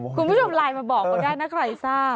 คุณผู้ชมไลน์มาบอกเขาได้นะใครทราบ